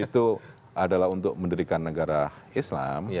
itu adalah untuk mendirikan negara islam